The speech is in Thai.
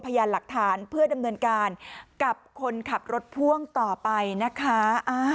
พยานหลักฐานเพื่อดำเนินการกับคนขับรถพ่วงต่อไปนะคะ